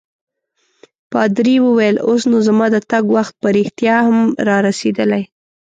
پادري وویل: اوس نو زما د تګ وخت په رښتیا هم رارسیدلی.